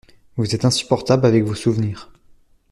Vous êtes insupportable avec vos souvenirs.